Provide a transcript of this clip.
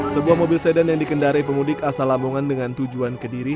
sebuah mobil sedan yang dikendarai pemudik asal lamongan dengan tujuan ke diri